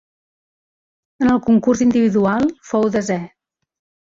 En el concurs individual fou desè.